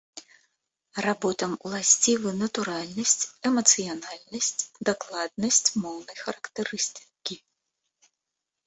Работам уласцівы натуральнасць, эмацыянальнасць, дакладнасць моўнай характарыстыкі.